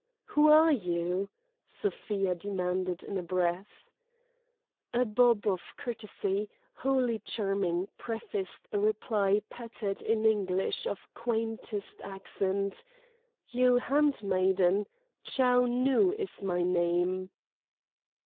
"Who are you?" Sofia demanded in a breath. A bob of courtesy, wholly charming, prefaced a reply pattered in English of quaintest accent: "You' handmaiden—Chou Nu is my name."